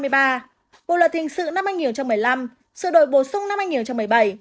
bộ luật hình sự năm hai nghìn một mươi năm sự đổi bổ sung năm hai nghìn một mươi bảy